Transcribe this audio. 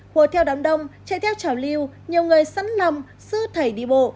mùa theo đám đông chạy theo trào lưu nhiều người sẵn lòng sư thầy đi bộ